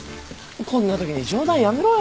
こんなときに冗談やめろよ。